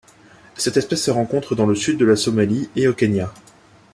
Cette espèce se rencontre dans le sud de la Somalie et au Kenya.